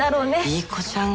いい子ちゃん